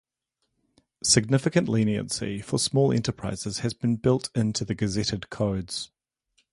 Significant leniency for Small Enterprises has been built into the gazetted codes.